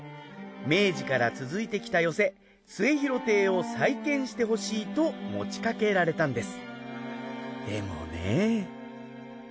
明治から続いてきた寄席「末廣亭」を再建してほしいと持ちかけられたんです。